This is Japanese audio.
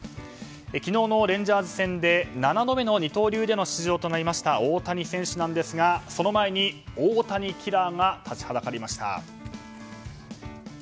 昨日のレンジャーズ戦で７度目の二刀流での出場となりました大谷選手ですがその前に大谷キラーが立ちはだかりました。